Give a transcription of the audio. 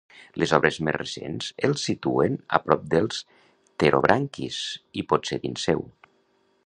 Les obres més recents els situen a prop dels pterobranquis, i potser dins seu.